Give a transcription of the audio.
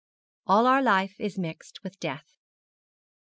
'ALL OUR LIFE IS MIXED WITH DEATH.'